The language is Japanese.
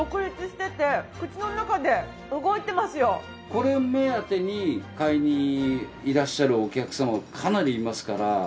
これ目当てに買いにいらっしゃるお客様もかなりいますから。